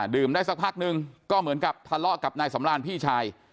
ได้สักพักนึงก็เหมือนกับทะเลาะกับนายสำราญพี่ชาย